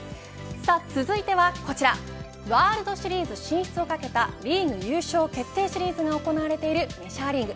続いてはこちらワールドシリーズ進出を懸けたリーグ優勝決定シリーズが行われているメジャーリーグ。